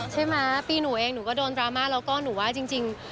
ใช่ไหมปีหนูเองหนูก็โดนดราม่าแล้วก็หนูว่าจริง